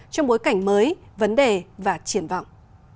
trong bối cảnh mới vấn đề và triển vọng